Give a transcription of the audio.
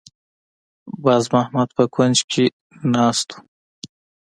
باز محمد په کونج کې ناسته وه.